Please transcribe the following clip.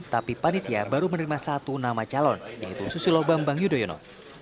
tapi panitia baru menerima satu nama calon yaitu susilo bambang yudhoyono